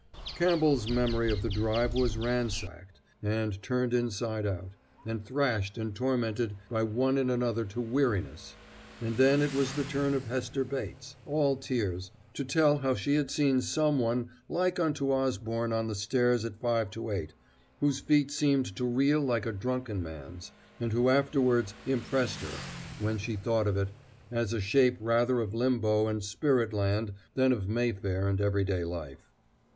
Campbell's memory of the drive was ransacked, and turned inside out, and thrashed and tormented by one and another to weariness; and then it was the turn of Hester Bates, all tears, to tell how she had seen someone like unto Osborne on the stairs at five to eight, whose feet seemed to reel like a drunken man's, and who afterwards impressed her, when she thought of it, as a shape rather of limbo and spirit land than of Mayfair and everyday life.